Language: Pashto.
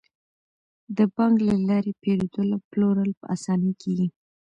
د بانک له لارې پيرودل او پلورل په اسانۍ کیږي.